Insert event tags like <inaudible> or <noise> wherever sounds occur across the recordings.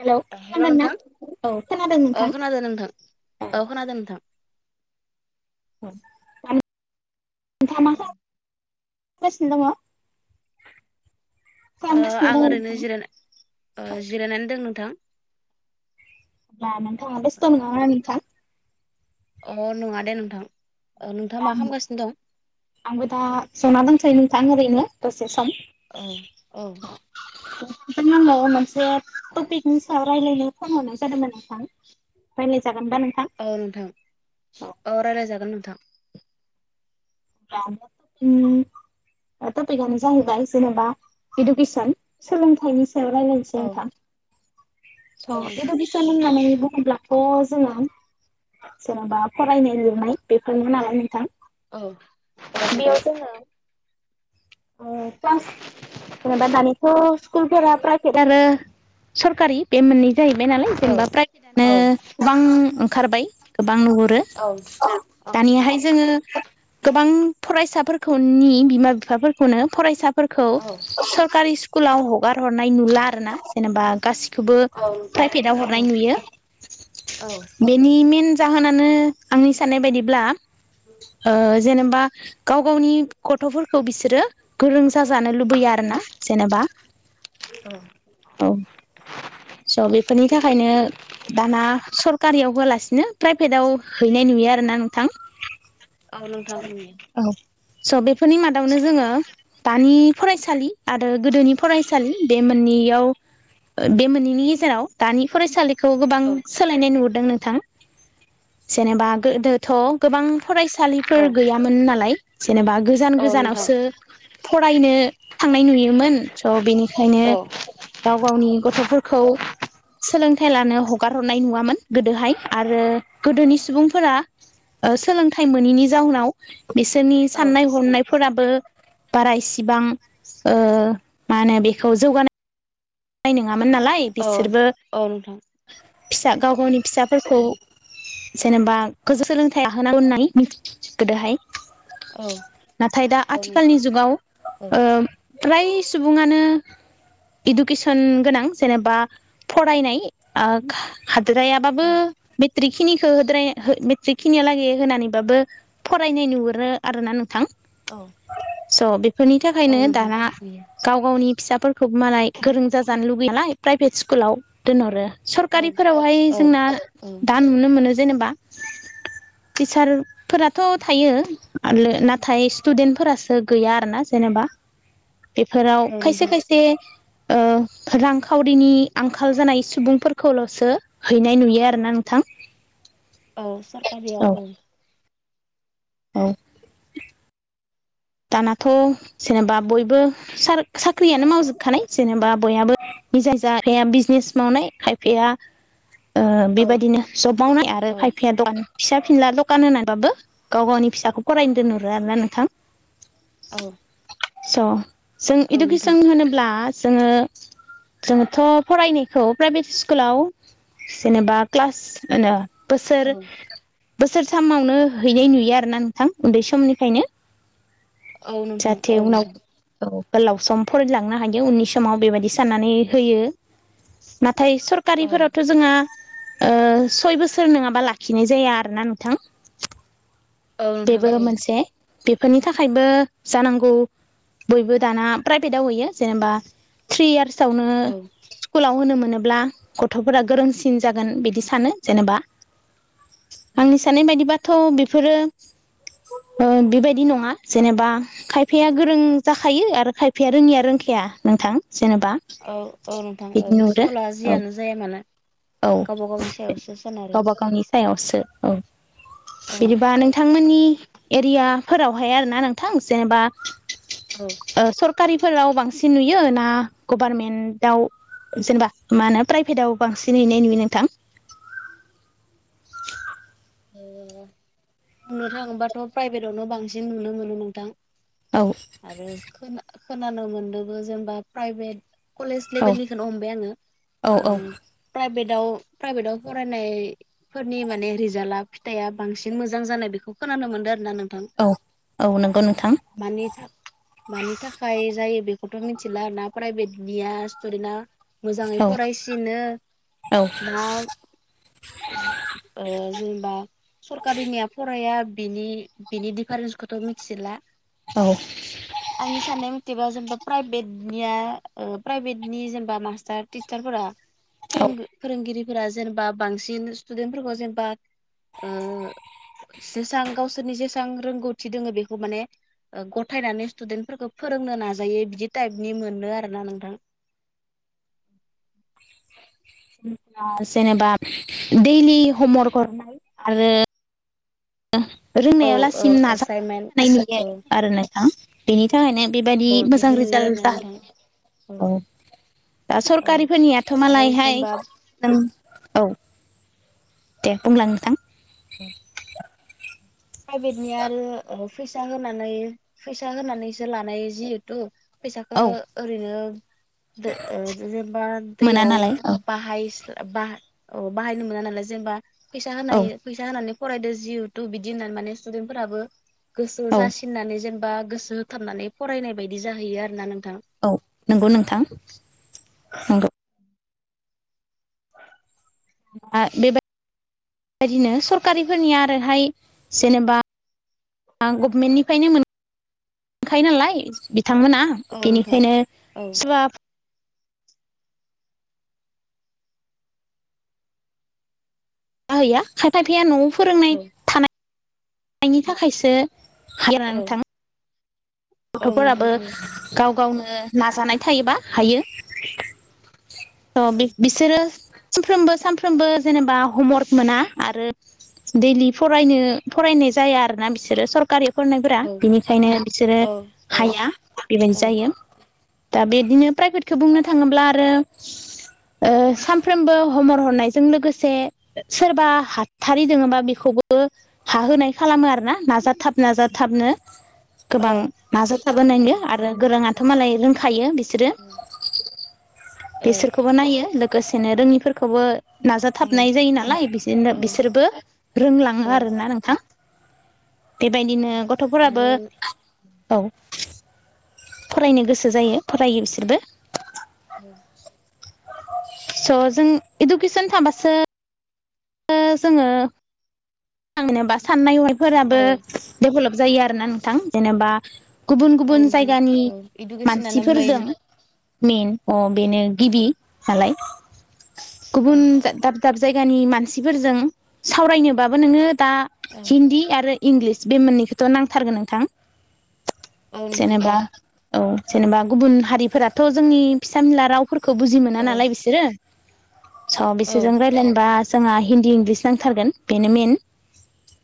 Hello hello खोनादोंना नोंथां औ खोनादों अ नोंथां खोनादों नोंथां औ अ खोनादों नोंथां <unintelligible> ओ <unintelligible> सिनो दङ ओ खालामगासिनो दङ आं ओरैनो नोंथां जिराय जिरायनानै दं नोंथां होमबा नोंथाङा बेस्थ नङा ना नोंथां? अ नङा दे नोंथां। ओ नोंथाङा मा खालामगासिनो दं आंबो दा ज'ना दंसै नोंथां ओरैनो दसे सम औ औ ओमफ्राय आङो मोनसे टपिकनि सायाव रायजलायनो फन हरनाय जादोंमोन नोंथां रायलाय जा औ नोंथां औ रायलाय जागोन नोंथां। <unintelligible> टपिकआनो जाहैबाय जेनेबा इडुकेसन सोलोंथाइनि से औ लथ औ थ नोंथां बिस नाम <unintelligible> अब्लाथ' जोङो जेन'बा फरायनाय लुनाय बेफोरमोन नालाय नोंथां औ औ बेयाव नोंथां जोङो क्लास जेनेबा दानिथ' स्कुलफोरा प्राइभेट आरो सरकारि बे मोननै जाहैबाय नालाय औ जेनेबा औ प्राइभेटनो गोबां ओंखारबाय गोबां नुहुरो औ नोंथां दानियाहाय जोङो गोबां फरायसाफोरखौनि बिमा बिफाफोरखौनो फरायसाफोरखौ औ सरकारि स्कुलाव हगार हरनाय नुला आरो ना जेनेबा गासिखौबो औ नोंथां प्राइभेटाव हरनाय औ नुयो औ बेनि मेन जाहोनानो आंनि साननाय बायदिब्ला जेनेबा गाव गावनि गथ'फोरखौ बिसोरो गोरों जाजानो लुबैयो आरो ना जेनेबा <unintelligible> औ स' बेफोरनि थाखायनो दाना सरकारियाव होलासिनो प्राइभेटआव हैनाय नुयो आरोना नोंथां औ नोंथां औ स' बेफोरनि मादावनो जोङो दानि फरायसालि आरो गोदोनि फरायसालि बे मोननैयाव बे मोननैनि गेजेराव दानि फरायसालिखौ गोबां औ सोलायनाय नुहुरदों नोंथां थां जेनेबा गोदोथ' गोबां औ फरायसालिफोर गैयामोन नालाय जेनेबा गोजान औ नोंथां गोजानावसो फरायनो थांनाय नुयोमोन स' बेनिखायनो औ गाव गावनि गथ' गथ'फोरखौ सोलोंथाइ लानो हगार हरनाय नुवामोन गोदोहाय आरो गोदोनि सुबुंफोरा सोलोंथाइ मोनोैनि जााहोनाव बिसोरनि औ नोंथां औ साननाय औ हनायफोराबो बारा इसेबां मा होनो बेखौ जौगानायानाय नङा नङामोन नालाय बिसोरबो फिसा गाव गावनि फिसाफोरखौ जेनेबा गोसो सोलोंथाइ आ होनोनांगौ होननानै मिथि गोदोहाय नोंथां नाथाय दा आथिखालनि जुगाव औ फ्राय सुबुङानो गोनां जेनेबा फरायनाय जायाबाबो औ मेट्रिक खिनिखौ होद्राय मेट्रिक खिनिया लागै होनानैबाबो फरायनाय नुहुरो आरो ना नोंथां औ स' बेफोरनि औ थाखायनो नोंथां दाना गाव गावनि फिसाफोरखौबो मालाय गोरों जाजानो लुबैयालाय प्राइभेट स्कुलाव दोनहरो औ सरकारिफोरावहाय औ जोंना औ दा नुनो मोनो जेनेबा टिचार फोरथ' थायो नाथाय स्टुदेन्टफोरासो गैया आरो ना जा जेनेबा बेफोराव औ खायसे नोंथां खायसे रांखावरिनि आंखाल जानाय सुबुंफोरखौल'सो हैनाय नुयो आरोना नोंथां <inaudible> औ सरकारियाव औ औ दानाथ' जेनेबा बयबो साख्रियानो मावजोबखानाय जेनेबा बयहाबो नि जाय जाया बिजनेस मावनाय खायफाया ओ औ बेबायदिनो जब मावनाय आरो औ फायफाया दखान फिसा फिनला दखान होनानैबाबो गाव गावनि फिसाखौ फरायनो दोनहरो आरोना नोंथां औ स' जों औ नोंथां इडुकेसन होनोब्ला जोङो जोङोथ' फरायनायखौ प्राइभेट स्कुलाव जेनेबा क्लास होनो औ बोसोर बोसोरथामावनो हैनाय नुयो आरो ना नोंथां उन्दै समनिफ्रायनो औ नोंथां जाहाथे औ उनाव नोंथां औ गोलाव सम फरायलांनो हायो उननि समाव बेबायदि साननानै होयो ना थाय औ सरकारिफोरावथ' जोंहा ओ सय बोसोर नङाबा लाखिनाय जाया आरोना नोंथां औ नोंथां बेबो औ मोनसे बेफोरनि थाखायबो जानांगौ बयबो दाना प्राइभेटआव होयो जेनेबा थ्रि इयार्सावनो औ स्कुलाव होनो मोनो ब्ला गथ'फोरा गोरोंसिन जागोन बिदि सानो जेनेबा औ आंनि साननाय बायदिबाथ' बेफोरो ओ बेबायदि नङा जेनेबा खायफाया गोरों जाखायो आरो खायफाया रोङिया रोंखाया नोंथां जेनेबा औ औ नोंथां औ बिदि नुहुरो स्कुला औ जियानो जाया मानो औ गावबा गावनि सायावसो सोनारो गावबा गावनि सायावसो औ औ बिदिबा नों नि एरियाफोरावहाय आरोना नोंथां जेनेबा औ ओ सरकारि फोराव बांसिन नुयो ना गभारनमेन्टआव जेनेबा मा होनो प्राइभेटाव बांसिन होनाय नुयो नोंथां? <unintelligible> बुंनो थाङोबाथ' प्राइभेटआवनो बांसिन नुनो मोनो नोंथां औ आरो खोना खोनानो मोनदोंबो जेनेबा प्राइभेट कलेज औ लेभेलनिखौनो हमबाय औ ओ औ प्राइभेट आव प्राइभेटआव फरायनाय फोरनि माने रिजाल्टआ फिथाइआ बांसिन मोजां जानाय बेखौ खोनानो मोनदों आरो ना नों थां औ औ नंगौ अ नोंथां मानि था मानि थाखाय जायो बे खौथ' मिथिला आर ना प्राइभेट निया स्टुदेटआ मोजाङै औ फरायसिनो औ ना ओ जेनेबा सरकारिनिया फराया बिनि बिनि डिफारेन्सखौथ' मिथिला औ आंनि साननाय मथेबा जेनेबा प्राइभेट निया ओ प्राइभेटनि जेनेबा मास्टार टिचारफोरा औ फोरों फोरोंगिरि फोरा जेनेबा बांसिन स्टुदेन्ट फोरफोरखौ जेनेबा ओ जेसां गावसोरनि जेसां रोंगौथि दोङो बेखौ माने ओ गथायनानै स्टुदेन्ट फोरफोरखौ फोरोंनो नाजायो बिदि टाइपनि मोनो आरोना नोंथां <unintelligible> जेनेबा दैडलि हमवर्क हरनाय आरो औ रोंनायाव औ लासिम नाजाथाबबाय एसाइनमेन्ट थानाय नुयो औ आरो नोंथां बेनि थाखायनो बेबायादि औ मोजां बिदि नुयो आरोना रिजाल्ट जाहै नोंथां। औ दा औ सरकारिफोरनियाथ' आरो मालायहाय जेनेबा ओम औ दे बुंलां नोंथां <unintelligible> प्राइभेटनिया आरो फैसा होनानै फैसा होनानैसो लानाय जिहेथु औ फैसाखौ ओरैनो दो ओ जेनेबा मोना दैयाव नालाय औ बाहायस बा अ बाहायनो मोना नालाय जेनेबा फैसा औ होनाय फैसा होनानै फरायदो जिहेथु बिदि दि होननानै माने स्टुदेन्ट फोराबो गोसो औ जासिननानै जेन बा गोसो होथारनानै फरायनाय बायदि जाहैयो आरो ना नोंथां औ नंगौ नोंथां नंगौ आ बे बायदिनो सरकारिफोरनिया आरोहाय जेनेबा आं गभमेन्टनिफ्रायनो मोन मोनखायो नालाय बिथांमोना औ नोंथां बेनिखायनो औ <unintelligible> जाहैया खायफाफैया न'आव फोरोंनाय औ थानायनि थाखायसो हायोना औ नोंथां औ नोंथां गथ'फोराबो औ गाव गावनो नाजानाय थायोबा हायो थ' बि बिसोरो सानफ्रोमबो सानफ्रोमबो जेनेबा हमवार्क मोना आरो दैलि फरायनो फरायनाय जाया आरो ना बिसोरो सर कारि फरायनायफोरा औ बिनिखायनो बिसोरो औ हाया बेबायदि औ जायो दा बिदिनो प्राइभेटखौ बुंनो थाङोब्ला आरो ओ सानफ्रोमबो हमवर्क हरनायजों लोगोसे सोरबा हाथारि दोङोबा बेखौबो खोबो हाहोनाय खालामो आरोना नाजाथाब नाजाथाबनो गोबां औ नाजाथाबहोनायनो नोंथां आरो गोरोङाथ' मालाय रोंखायो बिस सोरो औ औ बिसोरखौबो नायो लोगोसेनो रोङिफोरखौबो औ नाजाथाबनाय जायो नालाय बिसोनो औ बिसोरबो रोंलाङो औ आरोना नोंथां बेबायदिनो गथ'फोराबो आरो औ फरायनो गोसो जायो फरायो बिसोरबो औ स' जों इडुकेसन थाबासो ओ जोङोे <unintelligible> साननाय औ हनायफोराबो डेभेलप जायो आरोना नोंथां जेनेबा गुबुन औ गुबुन नोंथां जायगानि औ इडुकेसनानो मानसिफोरजों मेइन में अं बेनो औ गिबि सालाय गुबुन औ दा दाब दाब जायगानि मानसिफोरजों सावरायनोबाबो नोङो दा औ हिन्दी आरो इंग्लिस बे मोननैखौथ' नांथारगोन नोंथां औ नोंथां औ जेनेबा औ जेनेबा गुबुन हारिफोराथ' जोंनि फिसानला राव फोरफोरखौ बुजि मोना औ नालाय बिसोरो स' औ बिसोरजों रायलायनोबा जोंहा हिन्दी इंलिस नांथारगोन बेनो मेन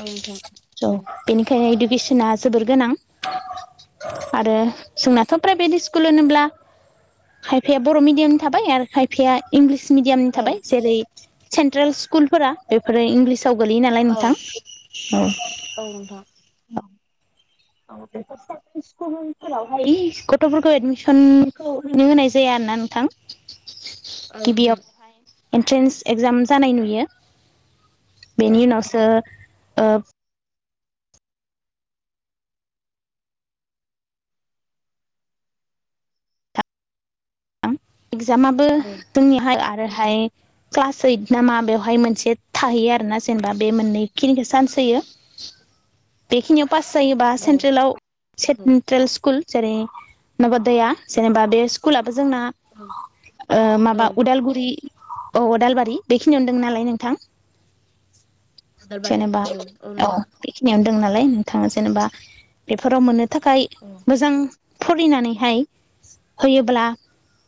औ नोंथां औ बेनिखायनो इदुकिस जोना जोबोर गोनां आरो जोंनाथ' प्राइभेट स्कुल होनोब्ला खायफाया बर' मिडियामनि थाबाय आरो खायफाया इंलिस मिडियाम नि औ थाबाय जेरै सेन्ट्रेल स्कुलफोरा बेफोर इंलिस गोलैयो नालाय औ नोंथां औ नोंथां औ औ <unintelligible> गथ'फोरखौ एडमिसनखौनो होनाय जाया आरो ना ना नोंथां औ गिबियाव नोंथां एन्ट्रेन्स एगजाम जानाय नुयो औ बेनि उनावसो ओ एगजामाबो औ जोंनिहाय आरो हाय क्लास ओइथ ना मा बेवहाय मोनसे थाहैयो आरोना जेनेबा बे मोननै खिनिखौ सान्स होयो यो बेखिनियाव पास जायोबा औ सेन्ट्रेलाव औ सेटन्ट्रेल स्कुल जेरै नबदैया जेनेबा बे स्कुलाबो जोंना औ ओ माबा औ उदालगुरि औ अदालबारि बेखिनियावनो दों नालाय नोंथां अदालबारि जेनेबा औ औ नोंथां बेखिनियावनो दं नालाय नोंथां जेनेबा बेफोराव मोनो थाखाय औ मोजां फरायनानैहाय होयोब्ला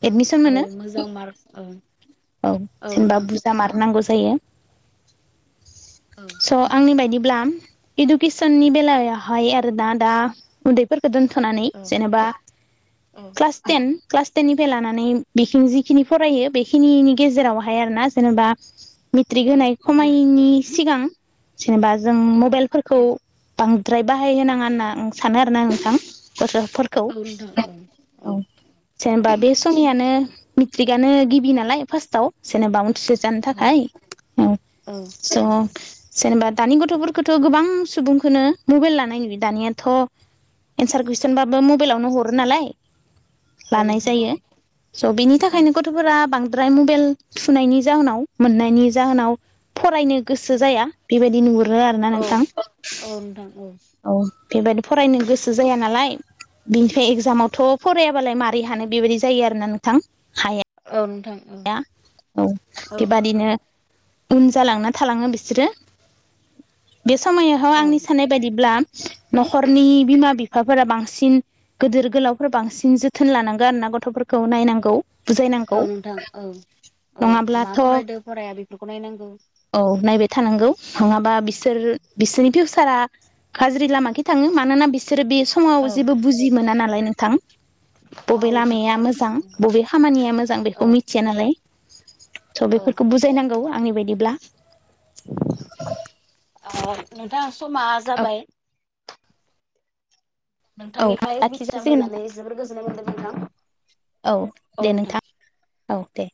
एदमिसन मोनो औ मोजां मार्क औ औ जेनेबा बुरजा मारनांगौ जायो औ स आंनि बायदि ब्ला इदुकिसननि बेलायावहाय आरो ना दा उन्दैफोर खो दोनथ'नानै औ जेनबा औ क्लास टेन क्लास टेननि फ्राय लानानै बिसिम जिखिनि फरायो बेखिनि नि गेजेरावहाय आरो ना जेनेबा मेट्रिक औ होनाय खमायनि सिगां जेनेबा जों मबाइलफोरखौ बांद्राय बाहाय होनाङा होनना आं सानो आरो ना नोंथां गथ'फोरखौ औ नोंथां औ औ जेनेबा बे <unintelligible> सो जानो औ थाखाय औ स' जेनेबा दानि गथ'फोरखौथ' गोबां सुबुंखौनो मबाइल लानाय नुयो दानियाथ' एन्सार कुइसनबाबो मबाइलावनो हरो नालाय औ नोंथां औ नोंथां औ लानाय नोंथां जायो स' बिनि औ थाखायनो गथ'फोरा बांदाराय द्रफ्राय मबाइल सुनायनि जाहोनाव मोननायनि जाहोनाव फरायनो गोसो जाया बेबायदि नुहुरो आरो ना नोंथां औ बेबायदि फरायनो गोसो जाया नालाय बिनिफ्राय एक्जामावथ' फरायाबालाय मारै हानो बेबायदि जायो आरोना नोंथां हाया हाया औ बेबादिनो उन जालांना थालाङो बिसोरो बे समायावह आंनि साननाय बायदिब्ला न'खरनि बिमा बिफाफोरा बांसिन गिदिर गोलावफोरा बांसिन जोथोन लानांगोन आरो ना गथ' गथ'फोरखौ नायनांगौ बुजायनांगौ औ नोंथां औ औ मा नङाब्लाथ' फरायदो फराया बेफोरखौ नायनांगौ थांगौ नङाबा बिसोर बिसोरनि फिउचारा गाज्रि लामाखै थाङो मानोना बि बिसोरो बे समाव औ जेबो बुजि मोना नालाय नोंथां बबे औ नोंथां लामाया मोजां नंगौ बबे खामानिया मोजां औ बेखौ मिथिया नालाय स' औ बेफोरखौ बुजायनांगौ आंनि बायदिब्ला नोंथांा समा औ जाबाय औ नोंथांनिफ्राय मिथिना लाखिजासिगोन मोननानै नोंथां जोबोर गोजोननाय मोनदों नोंथां औ दे नोंथां औ दे